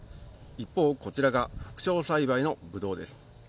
一方こちらが副梢栽培のブドウです。